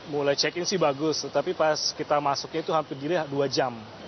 mulai check in sih bagus tetapi pas kita masuknya itu hampir diri dua jam